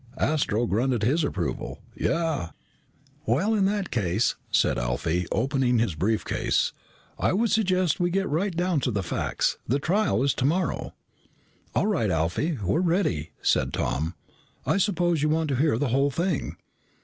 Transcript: Astro grunted his approval. "Yeah." "Well, in that case," said Alfie, opening his brief case, "I would suggest that we get right down to the facts. The trial is tomorrow." "All right, Alfie, we're ready," said Tom. "I suppose you want to hear the whole thing."